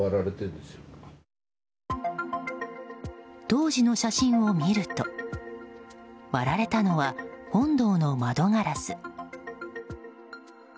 当時の写真を見ると割られたのは本堂の窓ガラス。